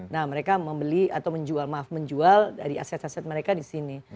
nah mereka membeli atau menjual maaf menjual dari aset aset mereka di sini